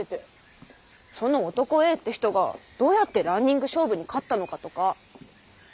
その「男Ａ」って人がどうやってランニング勝負に勝ったのかとか。